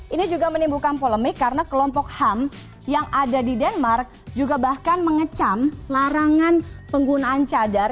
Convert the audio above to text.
ini juga menimbulkan polemik karena kelompok ham yang ada di denmark juga bahkan mengecam larangan penggunaan cadar